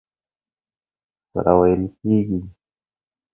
سره وېل کېږي.